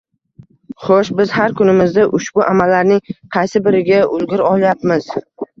Xo`sh, biz har kunimizda ushbu amallarning qaysi biriga ulgura olayapmiz